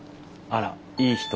あらいい人？